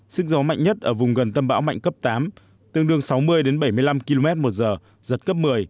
sức gió mạnh nhất ở vùng gần tâm bão mạnh cấp tám tương đương sáu mươi đến bảy mươi năm km một giờ giật cấp một mươi